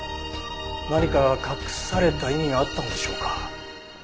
何か隠された意味があったんでしょうか？